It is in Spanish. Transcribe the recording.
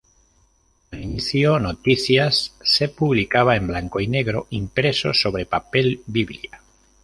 Al inicio, "Noticias" se publicaba en blanco y negro, impreso sobre papel biblia.